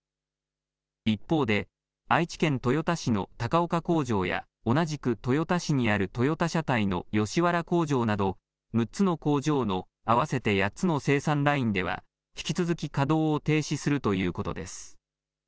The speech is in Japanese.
一方で愛知県豊田市の高岡工場や同じく豊田市にあるトヨタ車体の吉原工場など、６つの工場の合わせて８つの生産ラインでは、引き続き稼働を停止するということです。